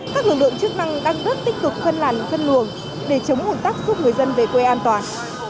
các lực lượng chức năng đang rất tích cực phân làn phân luồng để chống hồn tắc giúp người dân về quê an toàn